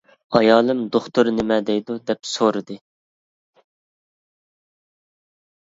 ئايالىم دوختۇر نېمە دەيدۇ دەپ سورىدى.